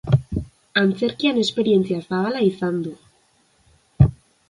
Antzerkian esperientzia zabala izan du.